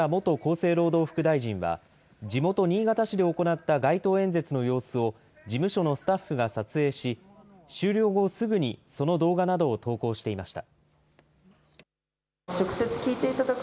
生労働副大臣は、地元、新潟市で行った街頭演説の様子を事務所のスタッフが撮影し、終了後、すぐにその動画などを投稿していました。